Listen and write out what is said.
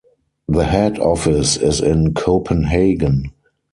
The head office is in Copenhagen.